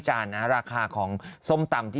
เช็ดแรงไปนี่